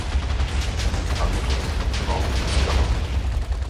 Danke, Frau Scallon.